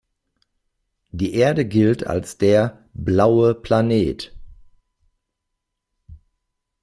Die Erde gilt als der „blaue Planet“.